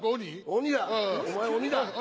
鬼だお前鬼だ。